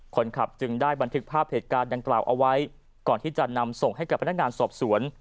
คนขับจึงได้บันทึกภาพเหตุการณ์ดังกล่าวเอาไว้ก่อนที่จะนำส่งให้กับพนักงานสอบสวน